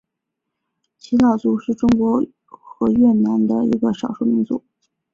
仡佬族是中国和越南的一个少数民族。